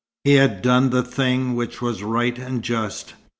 He had done the thing which was right and just.